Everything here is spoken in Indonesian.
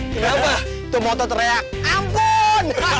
kenapa itu moto teriak ampun